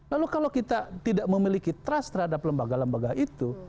lalu kalau kita tidak memiliki trust terhadap lembaga lembaga itu